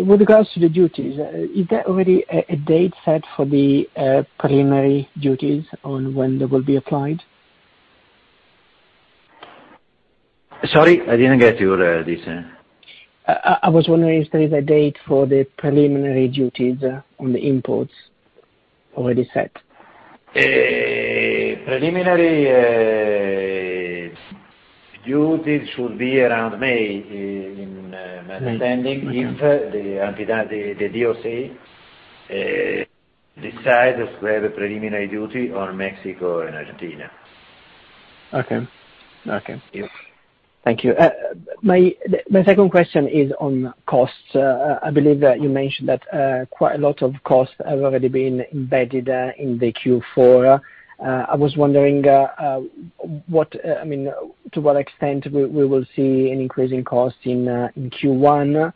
Speaker 11: With regards to the duties, is there already a date set for the preliminary duties on when they will be applied?
Speaker 3: Sorry, I didn't get your this.
Speaker 11: I was wondering if there is a date for the preliminary duties on the imports already set?
Speaker 3: Preliminary duties should be around May in. My understanding. If the DOC decides to have a preliminary duty on Mexico or in Argentina.
Speaker 11: Okay. Thank you. My second question is on costs. I believe that you mentioned that quite a lot of costs have already been embedded in the Q4. I was wondering, I mean, to what extent we will see an increase in costs in Q1.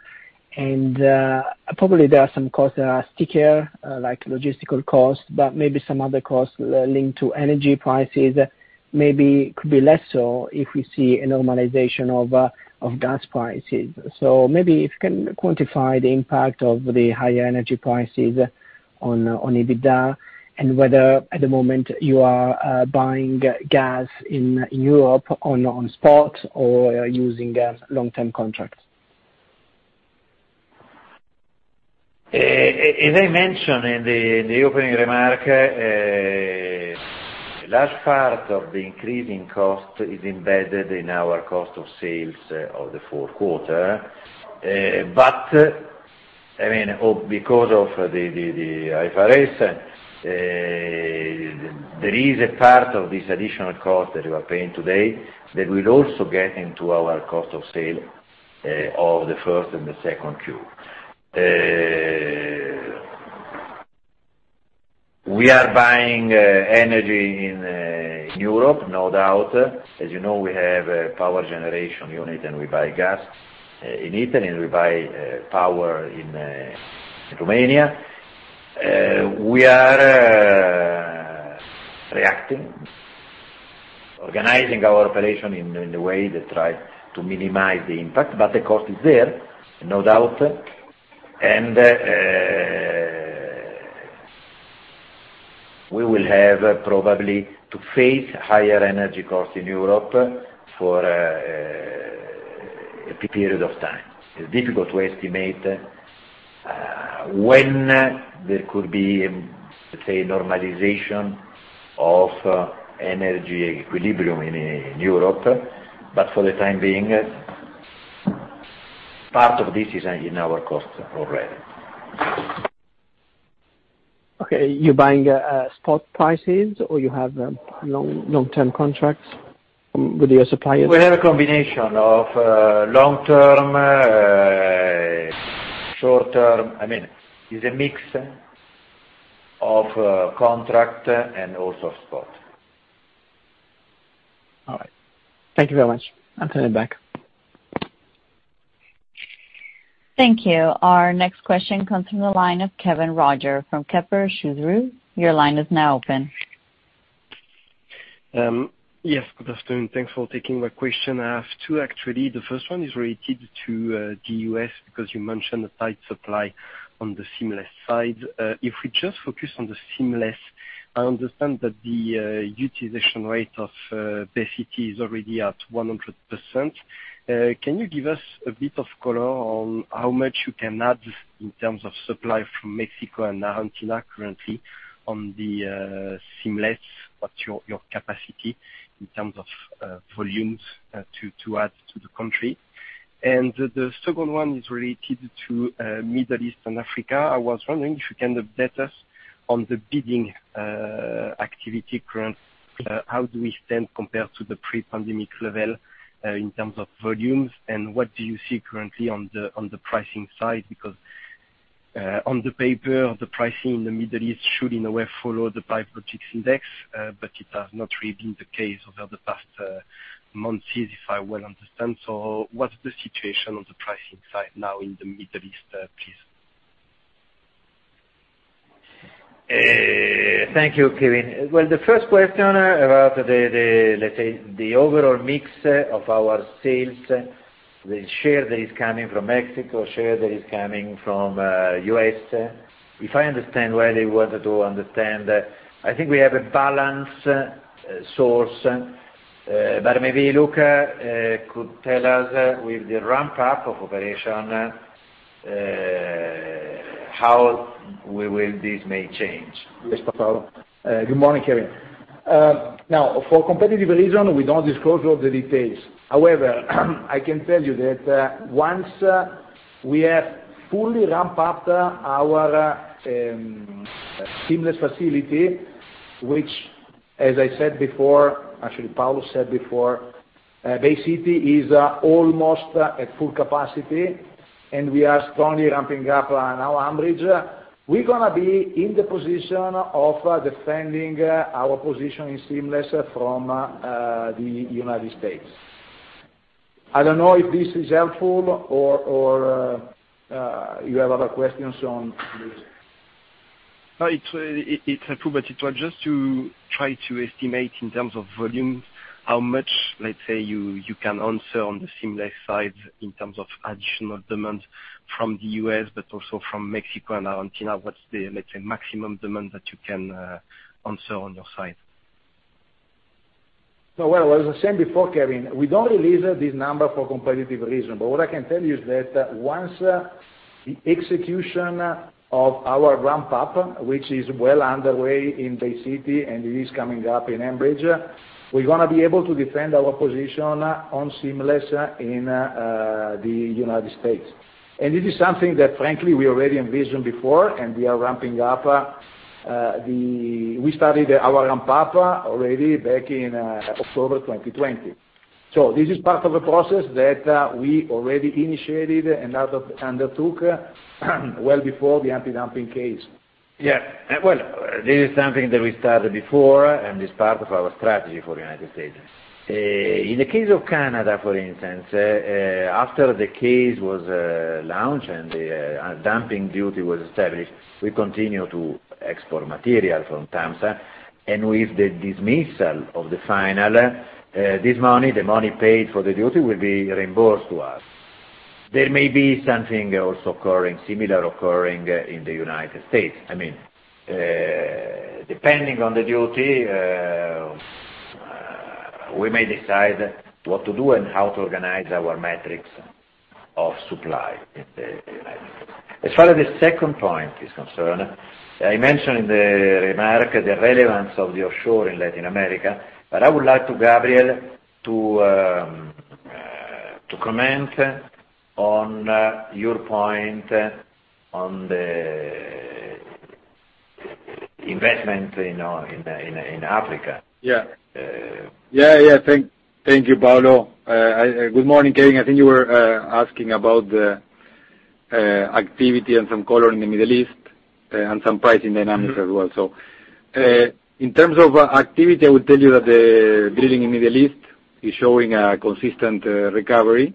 Speaker 11: Probably there are some costs that are stickier, like logistical costs, but maybe some other costs linked to energy prices maybe could be less so if we see a normalization of gas prices. Maybe if you can quantify the impact of the higher energy prices on EBITDA and whether at the moment you are buying gas in Europe on spot or using gas long-term contracts.
Speaker 3: As I mentioned in the opening remark, a large part of the increasing cost is embedded in our cost of sales of the fourth quarter. I mean, or because of the IFRS, there is a part of this additional cost that we are paying today that will also get into our cost of sale of the first and the second Q. We are buying energy in Europe, no doubt. As you know, we have a power generation unit, and we buy gas in Italy, and we buy power in Romania. We are reacting, organizing our operation in a way that tries to minimize the impact, but the cost is there, no doubt. We will have probably to face higher energy costs in Europe for a period of time. It's difficult to estimate when there could be, let's say, normalization of energy equilibrium in Europe. For the time being, part of this is in our cost already.
Speaker 11: Okay. You're buying spot prices, or you have long-term contracts with your suppliers?
Speaker 3: We have a combination of long-term, short-term. I mean, it's a mix of contract and also spot.
Speaker 11: All right. Thank you very much. I'm turning back.
Speaker 1: Thank you. Our next question comes from the line of Kevin Roger from Kepler Cheuvreux. Your line is now open.
Speaker 12: Yes. Good afternoon. Thanks for taking my question. I have two, actually. The first one is related to the U.S. because you mentioned the tight supply on the seamless side. If we just focus on the seamless, I understand that the utilization rate of Bay City is already at 100%. Can you give us a bit of color on how much you can add in terms of supply from Mexico and Argentina currently on the seamless? What's your capacity in terms of volumes to add to the country? The second one is related to Middle East and Africa. I was wondering if you can update us on the current bidding activity. How do we stand compared to the pre-pandemic level, in terms of volumes, and what do you see currently on the pricing side? Because, on the paper, the pricing in the Middle East should in a way follow the Pipe Logix Index, but it has not really been the case over the past months if I well understand. What's the situation on the pricing side now in the Middle East, please?
Speaker 3: Thank you, Kevin. Well, the first question about the, let's say, the overall mix of our sales, the share that is coming from Mexico and the U.S., if I understand well what you want to understand, I think we have a balanced source. But maybe Luca could tell us with the ramp up of operation, how this may change.
Speaker 7: Yes, Paolo. Good morning, Kevin. Now, for competitive reason, we don't disclose all the details. However, I can tell you that once we have fully ramped up our seamless facility, which, as I said before, actually, Paolo said before, Bay City is almost at full capacity, and we are strongly ramping up on our Ambridge. We're gonna be in the position of defending our position in seamless from the United States. I don't know if this is helpful or you have other questions on this.
Speaker 12: Oh, it's approved. It was just to try to estimate in terms of volumes, how much, let's say, you can answer on the seamless side in terms of additional demand from the U.S., but also from Mexico and Argentina. What's the maximum demand that you can answer on your side?
Speaker 7: Well, as I said before, Kevin, we don't release this number for competitive reason. What I can tell you is that once the execution of our ramp up, which is well underway in Bay City, and it is coming up in Ambridge, we're gonna be able to defend our position on seamless in the United States. This is something that frankly, we already envisioned before, and we are ramping up. We started our ramp up already back in October 2020. This is part of a process that we already initiated and undertook well before the antidumping case.
Speaker 3: Yeah. Well, this is something that we started before, and it's part of our strategy for United States. In the case of Canada, for instance, after the case was launched and the dumping duty was established, we continued to export material from Tamsa. With the dismissal of the final, the money paid for the duty will be reimbursed to us. There may be something similar also occurring in the United States. I mean, depending on the duty, we may decide what to do and how to organize our mix of supply in the United States. As far as the second point is concerned, I mentioned the remark, the relevance of the offshore in Latin America. I would like Gabriel Podskubka to comment on your point on the investment in Africa.
Speaker 13: Yeah. Yeah. Thank you, Paolo. Good morning, Kevin. I think you were asking about the activity and some color in the Middle East and some pricing dynamics as well. In terms of activity, I would tell you that the drilling in Middle East is showing a consistent recovery.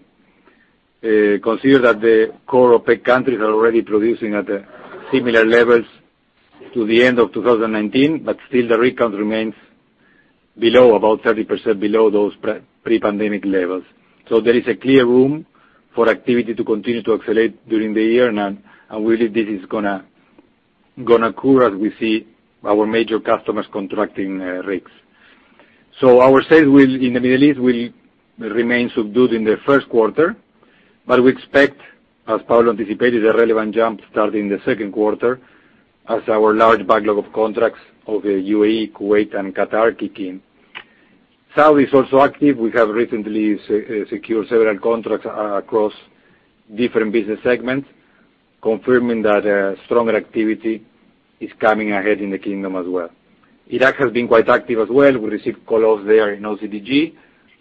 Speaker 13: Consider that the core OPEC countries are already producing at similar levels to the end of 2019, but still the rig count remains below, about 30% below those pre-pandemic levels. There is a clear room for activity to continue to accelerate during the year. We believe this is gonna occur as we see our major customers contracting rigs. Our sales in the Middle East will remain subdued in the first quarter, but we expect, as Paolo anticipated, a relevant jump starting the second quarter as our large backlog of contracts of the UAE, Kuwait, and Qatar kick in. Saudi is also active. We have recently secure several contracts across different business segments, confirming that stronger activity is coming ahead in the kingdom as well. Iraq has been quite active as well. We received call outs there in OCTG,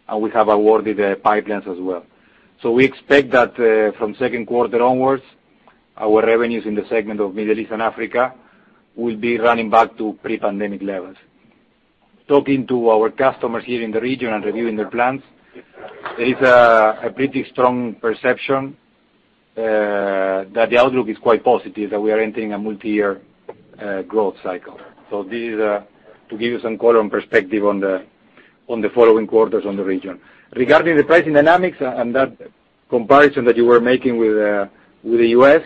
Speaker 13: and we have awarded pipelines as well. We expect that from second quarter onwards, our revenues in the segment of Middle East and Africa will be running back to pre-pandemic levels. Talking to our customers here in the region and reviewing their plans, there is a pretty strong perception that the outlook is quite positive, that we are entering a multi-year growth cycle. This is to give you some color and perspective on the following quarters in the region. Regarding the pricing dynamics and that comparison that you were making with the U.S.,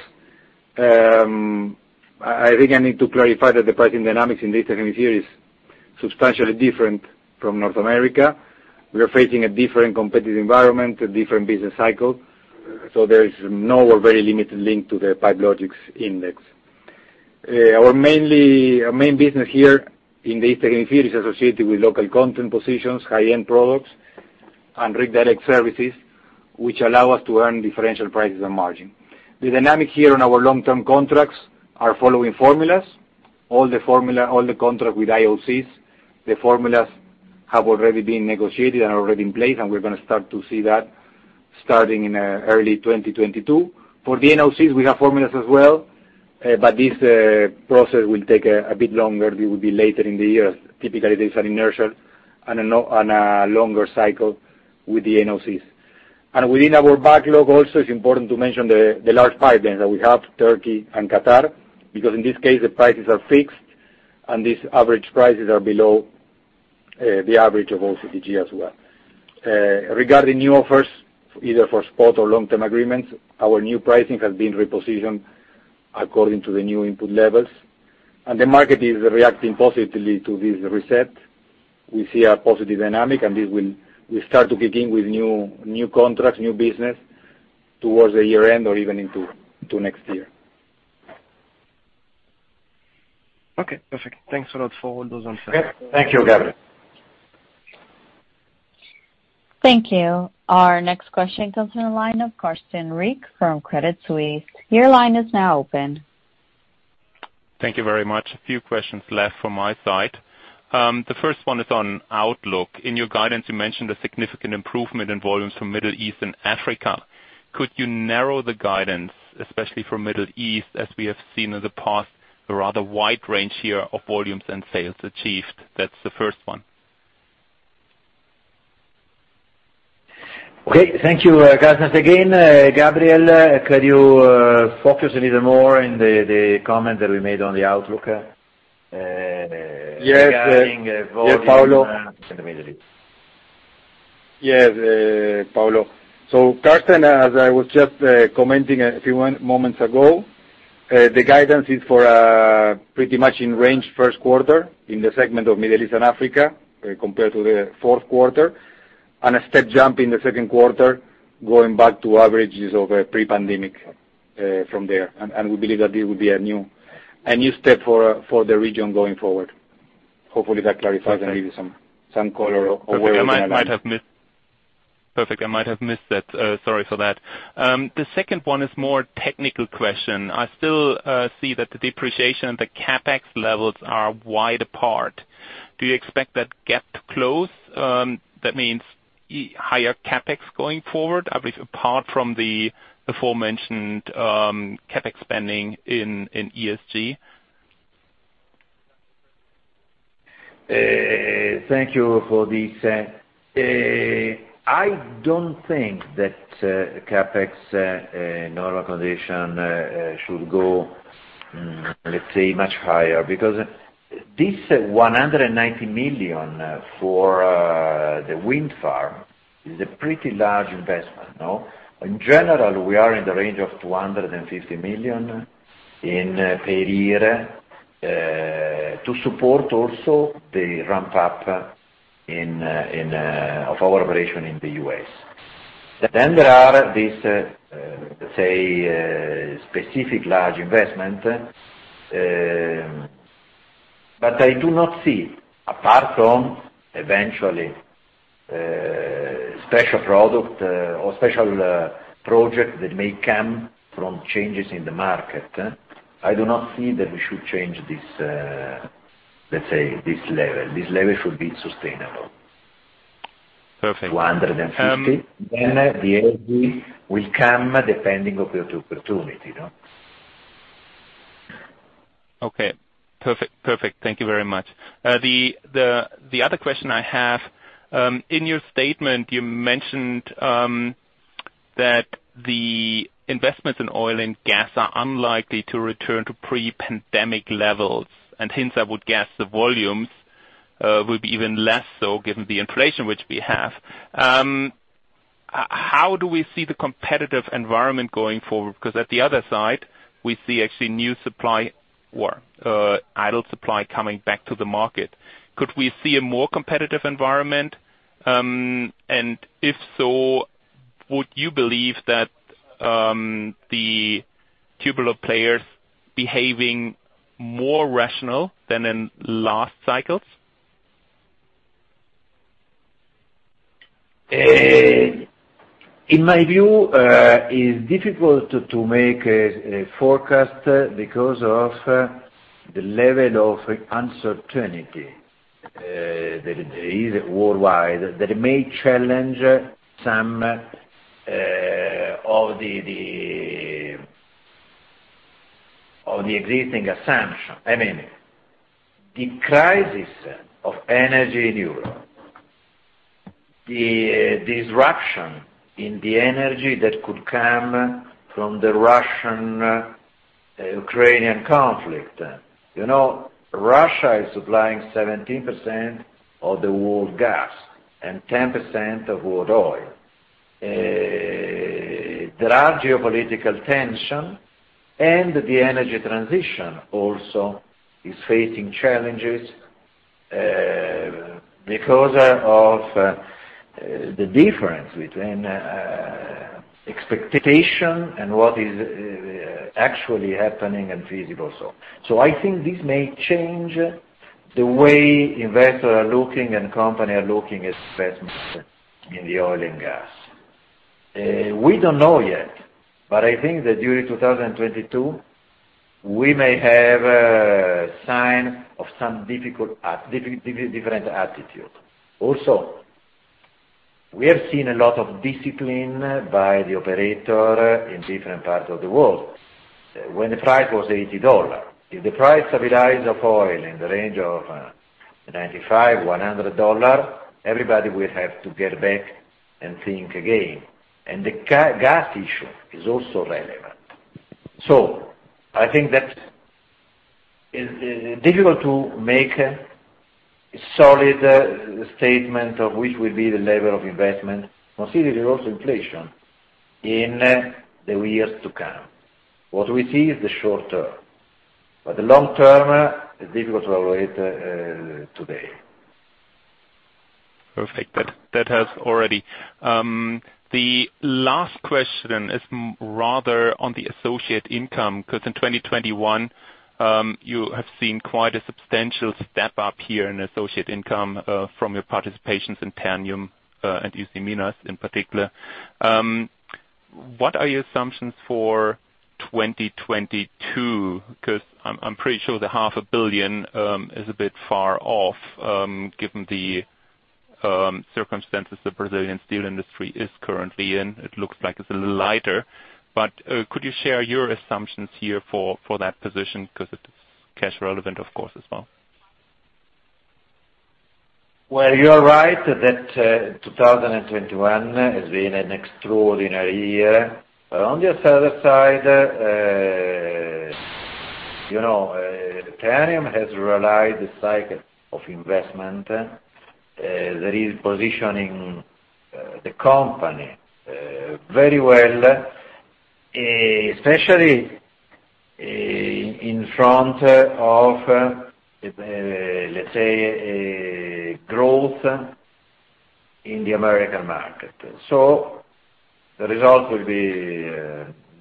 Speaker 13: I think I need to clarify that the pricing dynamics in this technical field is substantially different from North America. We are facing a different competitive environment, a different business cycle, so there is no or very limited link to the Pipe Logix index. Our main business here in this technical field is associated with local content positions, high-end products, and Rig Direct services, which allow us to earn differential prices and margin. The dynamic here on our long-term contracts are following formulas. All the contract with IOCs, the formulas have already been negotiated and are already in place, and we're gonna start to see that starting in early 2022. For the NOCs, we have formulas as well, but this process will take a bit longer. It will be later in the year. Typically, there's an inertia on a longer cycle with the NOCs. Within our backlog also, it's important to mention the large pipelines that we have, Turkey and Qatar, because in this case, the prices are fixed, and these average prices are below the average of OCTG as well. Regarding new offers, either for spot or long-term agreements, our new pricing has been repositioned according to the new input levels, and the market is reacting positively to this reset. We see a positive dynamic, and this will start to kick in with new contracts, new business towards the year end or even into next year.
Speaker 12: Okay, perfect. Thanks a lot for all those insights.
Speaker 3: Thank you, Gabriel.
Speaker 1: Thank you. Our next question comes from the line of Carsten Riek from Credit Suisse. Your line is now open.
Speaker 14: Thank you very much. A few questions left from my side. The first one is on outlook. In your guidance, you mentioned a significant improvement in volumes from Middle East and Africa. Could you narrow the guidance, especially for Middle East, as we have seen in the past a rather wide range here of volumes and sales achieved? That's the first one.
Speaker 3: Okay, thank you, Carsten. Again, Gabriel, could you focus a little more in the comment that we made on the outlook regarding volume-
Speaker 13: Yes, yes, Paolo.
Speaker 3: In the Middle East. Yes, Paolo. Carsten, as I was just commenting a few moments ago, the guidance is for pretty much in range first quarter in the segment of Middle East and Africa, compared to the fourth quarter, and a step jump in the second quarter, going back to averages of pre-pandemic from there. We believe that this will be a new step for the region going forward. Hopefully, that clarifies and gives you some color or way of analyzing.
Speaker 14: Perfect. I might have missed that. Sorry for that. The second one is a more technical question. I still see that the depreciation, the CapEx levels are wide apart. Do you expect that gap to close? That means either higher CapEx going forward, at least apart from the before mentioned CapEx spending in ESG?
Speaker 3: Thank you for this. I don't think that CapEx in normal condition should go, let's say, much higher. Because this $190 million for the wind farm is a pretty large investment, no? In general, we are in the range of $250 million per year to support also the ramp up of our operation in the U.S. Then there are this, let's say, specific large investment, but I do not see, apart from eventually special product or special project that may come from changes in the market, I do not see that we should change this, let's say, this level. This level should be sustainable.
Speaker 14: Perfect.
Speaker 3: 250, then the AG will come depending of the opportunity, no?
Speaker 14: Perfect. Thank you very much. The other question I have, in your statement, you mentioned that the investments in oil and gas are unlikely to return to pre-pandemic levels, and hence, I would guess the volumes will be even less so given the inflation which we have. How do we see the competitive environment going forward? Because on the other side, we see actually new supply or idle supply coming back to the market. Could we see a more competitive environment? And if so, would you believe that the tubular players behaving more rationally than in last cycles?
Speaker 3: In my view, it's difficult to make a forecast because of the level of uncertainty that is worldwide that may challenge some of the existing assumption. I mean, the crisis of energy in Europe, the disruption in the energy that could come from the Russian-Ukrainian conflict. You know, Russia is supplying 17% of the world gas and 10% of world oil. There are geopolitical tension, and the energy transition also is facing challenges because of the difference between expectation and what is actually happening and feasible so. I think this may change the way investors are looking and company are looking investment in the oil and gas. We don't know yet, but I think that during 2022, we may have a sign of some different attitude. Also, we have seen a lot of discipline by the operator in different parts of the world when the price was $80. If the price of oil will rise in the range of $95-$100, everybody will have to get back and think again. The gas issue is also relevant. I think that is difficult to make a solid statement of which will be the level of investment, considering there's also inflation in the years to come. What we see is the short term, but the long term is difficult to evaluate today.
Speaker 14: Perfect. That helps already. The last question is rather on the associate income, 'cause in 2021, you have seen quite a substantial step up here in associate income, from your participations in Ternium, and Usiminas in particular. What are your assumptions for 2022? Because I'm pretty sure the half a billion dollars is a bit far off, given the circumstances the Brazilian steel industry is currently in. It looks like it's a little lighter. Could you share your assumptions here for that position? 'Cause it's cash relevant, of course, as well.
Speaker 3: Well, you are right that 2021 has been an extraordinary year. On the other side, you know, Ternium has ridden the cycle of investment that is positioning the company very well, especially in front of, let's say, growth in the American market. The result will be,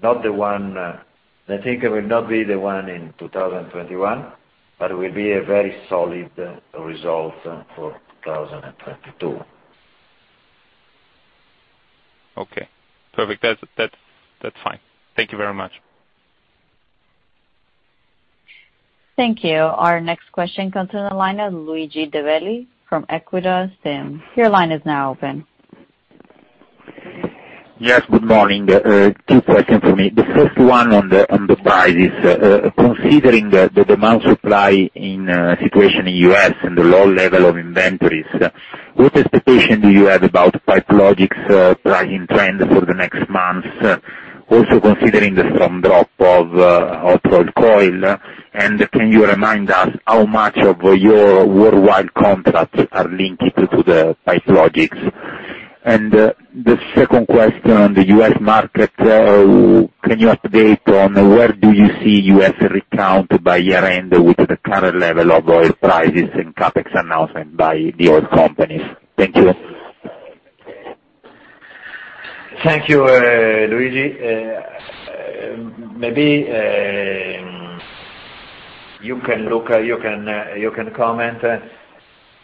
Speaker 3: I think it will not be the one in 2021, but it will be a very solid result for 2022.
Speaker 14: Okay. Perfect. That's fine. Thank you very much.
Speaker 1: Thank you. Our next question comes on the line of Luigi de Bellis from Equita SIM. Your line is now open.
Speaker 15: Yes, good morning. Two questions for me. The first one on the prices. Considering the demand supply situation in U.S. and the low level of inventories, what expectation do you have about Pipe Logix's pricing trend for the next months, also considering the strong drop of hot coil? And can you remind us how much of your worldwide contracts are linked to the Pipe Logix? And the second question on the U.S. market, can you update on where do you see U.S. rig count by year-end with the current level of oil prices and CapEx announcement by the oil companies? Thank you.
Speaker 3: Thank you, Luigi. Maybe you can comment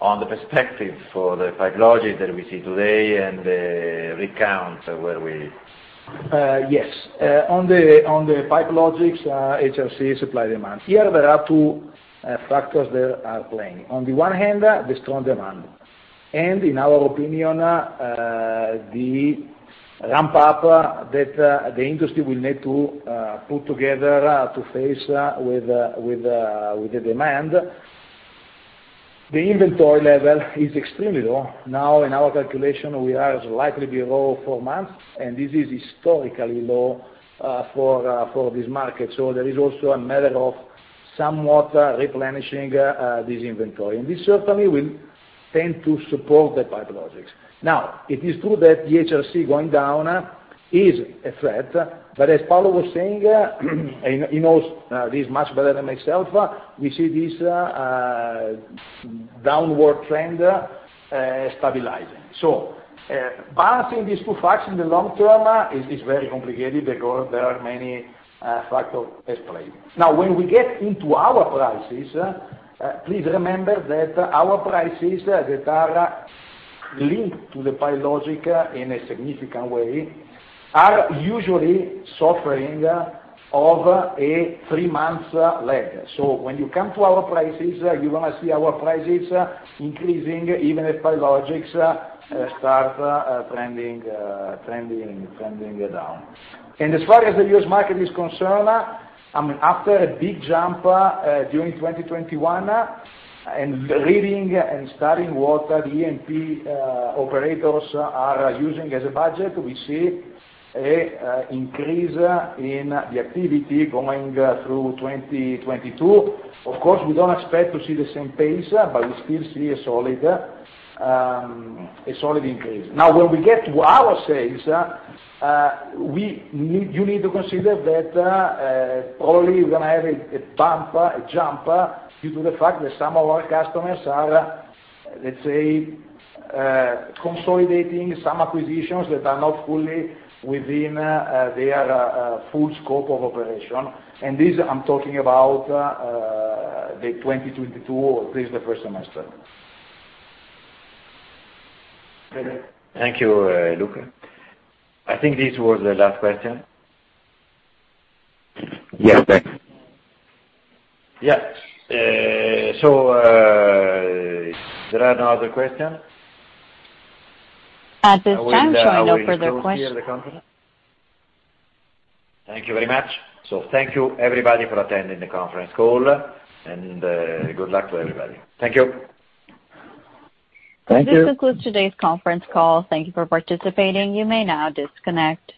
Speaker 3: on the perspective for the Pipe Logix that we see today and the recounts where we
Speaker 7: Yes. On the Pipe Logix, HRC supply demand. Here there are two factors that are playing. On the one hand, the strong demand. In our opinion, the ramp up that the industry will need to put together to keep pace with the demand. The inventory level is extremely low. Now, in our calculation, we are likely below four months, and this is historically low for this market. There is also a matter of somewhat replenishing this inventory. This certainly will tend to support the Pipe Logix. Now, it is true that the HRC going down is a threat. As Paolo was saying, and he knows this much better than myself, we see this downward trend stabilizing. Balancing these two facts in the long term, it is very complicated because there are many factors at play. Now, when we get into our prices, please remember that our prices that are linked to the Pipe Logix in a significant way are usually suffering from a three-month lag. When you come to our prices, you're gonna see our prices increasing even if Pipe Logix starts trending down. As far as the U.S. market is concerned, I mean, after a big jump during 2021, and reading and studying what the E&P operators are using as a budget, we see an increase in the activity going through 2022. Of course, we don't expect to see the same pace, but we still see a solid increase. Now, when we get to our sales, you need to consider that, probably you're gonna have a bump, a jump due to the fact that some of our customers are, let's say, consolidating some acquisitions that are not fully within their full scope of operation. This I'm talking about the 2022 or at least the first semester.
Speaker 3: Thank you, Luca. I think this was the last question.
Speaker 15: Yes, thanks.
Speaker 3: Yeah. There are no other questions?
Speaker 1: At this time, there are no further questions.
Speaker 3: Thank you very much. Thank you everybody for attending the conference call, and, good luck to everybody. Thank you.
Speaker 7: Thank you.
Speaker 1: This concludes today's conference call. Thank you for participating. You may now disconnect.